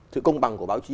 sự công bằng của báo chí